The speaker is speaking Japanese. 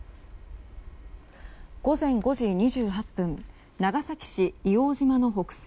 午前５時２８分長崎市伊王島の北西